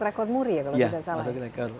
rekor muri ya kalau tidak salah ya masuk rekor